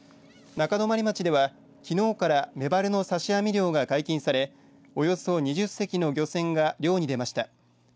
中泊町では、きのうからメバルの刺し網漁が解禁されおよそ２０隻の漁船が漁に出ました。